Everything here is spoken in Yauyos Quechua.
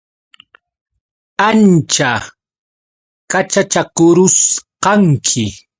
Ancha qaćhachakurusqanki.